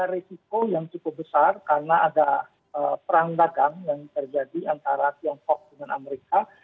risiko yang cukup besar karena ada perang dagang yang terjadi antara tiongkok dengan amerika